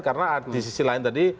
karena di sisi lain tadi